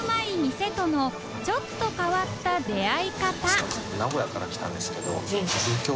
店とのちょっと変わった出合い方朝日）